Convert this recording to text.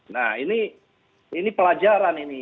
nah ini pelajaran ini